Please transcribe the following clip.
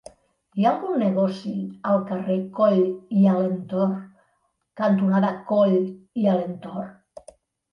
Hi ha algun negoci al carrer Coll i Alentorn cantonada Coll i Alentorn?